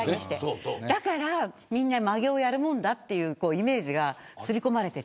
だからみんな、まげをやるもんだというイメージが刷り込まれていて。